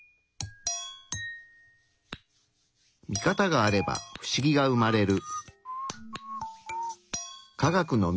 ミカタがあれば不思議が生まれる。